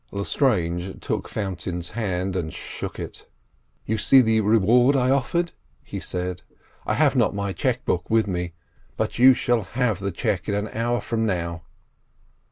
Lestrange took Fountain's hand and shook it. "You see the reward I offered?" he said. "I have not my cheque book with me, but you shall have the cheque in an hour from now."